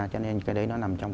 cho nên cái đấy nó nằm trong đó